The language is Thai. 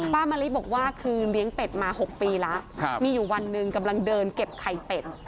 มะลิบอกว่าคือเลี้ยงเป็ดมา๖ปีแล้วมีอยู่วันหนึ่งกำลังเดินเก็บไข่เป็ด